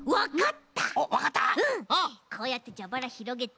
こうやってじゃばらひろげて。